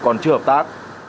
còn chưa hợp tác